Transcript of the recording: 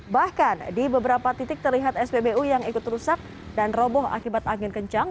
bahkan di beberapa titik terlihat spbu yang ikut rusak dan roboh akibat angin kencang